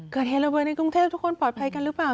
เกิดเหตุระเบิดในกรุงเทพทุกคนปลอดภัยกันหรือเปล่า